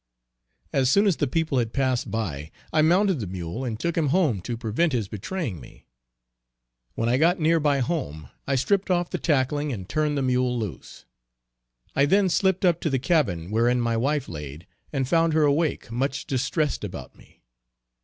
As soon as the people had passed by, I mounted the mule and took him home to prevent his betraying me. When I got near by home I stripped off the tackling and turned the mule loose. I then slipt up to the cabin wherein my wife laid and found her awake, much distressed about me.